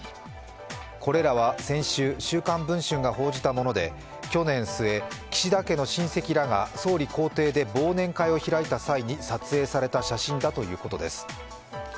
これらは先週、「週刊文春」が報じたもので去年末、岸田家の親戚らが公邸で忘年会を開いた際に撮影された写真だということです。